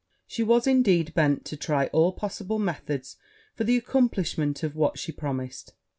She was, indeed, bent to try all possible methods for the accomplishment of what she promised.